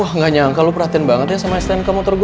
wuh enggak nyangka lu perhatiin banget ya sama es ten ka motor ku